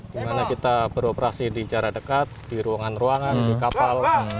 di mana kita beroperasi di jarak dekat di ruangan ruangan di kapal